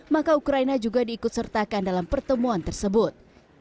maka ukraina juga diikut sertakan dalam pertemuan tersebut